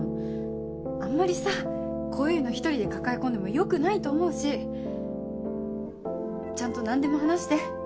あんまりさこういうの１人で抱え込んでも良くないと思うしちゃんと何でも話して。